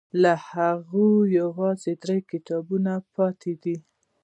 له هغوی یوازې درې کتابونه پاتې دي.